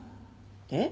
えっ？